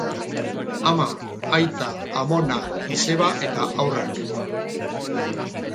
Ama, aita, amona, izeba eta haurrak.